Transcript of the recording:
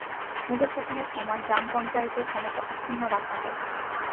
মুগল শাসনের সময় গ্রাম পঞ্চায়েতের ক্ষমতা অক্ষুণ্ণ রাখা হয়।